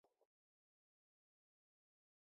د نورو بې عزتي وکړئ او د وړاندوینې وړ نه یاست.